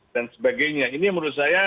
dan sebagainya ini menurut saya